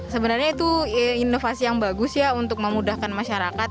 sebenarnya itu inovasi yang bagus ya untuk memudahkan masyarakat